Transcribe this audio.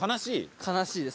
悲しいです。